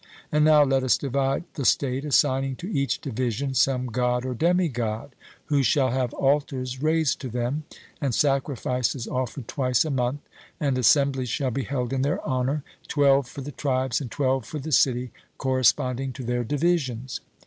And now let us divide the state, assigning to each division some God or demigod, who shall have altars raised to them, and sacrifices offered twice a month; and assemblies shall be held in their honour, twelve for the tribes, and twelve for the city, corresponding to their divisions.